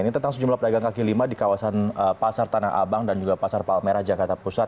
ini tentang sejumlah pedagang kaki lima di kawasan pasar tanah abang dan juga pasar palmerah jakarta pusat